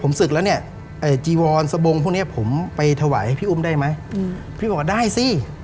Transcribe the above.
พี่บอกว่าได้ซี่